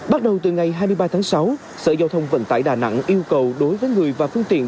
bắt đầu từ ngày hai mươi ba tháng sáu sở giao thông vận tải đà nẵng yêu cầu đối với người và phương tiện